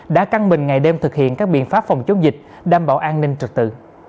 đã căng mình ngày đêm thực hiện các biện pháp phòng chống dịch đảm bảo an ninh trật tự